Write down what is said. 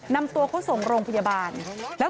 นำตัวเขาส่งโรงพยาบาลแล้ว